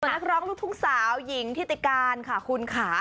นักร้องลูกทุ่งสาวหญิงทิติการค่ะคุณค่ะ